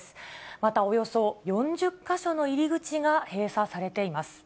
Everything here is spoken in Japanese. また、およそ４０か所の入り口が閉鎖されています。